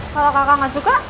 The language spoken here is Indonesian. kalau kakak gak suka